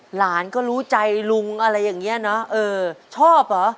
หลานก็รู้ใจลุงอะไรอย่างนี้เนอะเออชอบเหรอ